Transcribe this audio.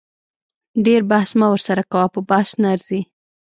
ډیر بحث مه ورسره کوه په بحث نه ارزي